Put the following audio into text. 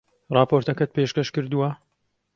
ڕاپۆرتەکەت پێشکەش کردووە؟